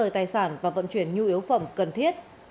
tài sản và vận chuyển nhu yếu phẩm cần thiết